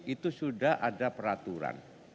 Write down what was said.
itu sudah ada peraturan